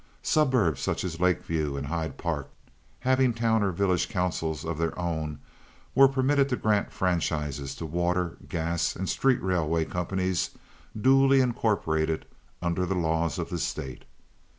Suburbs such as Lake View and Hyde Park, having town or village councils of their own, were permitted to grant franchises to water, gas, and street railway companies duly incorporated under the laws of the state.